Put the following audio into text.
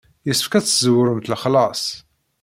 Yessefk ad teszewremt lexlaṣ.